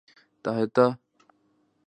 تائتا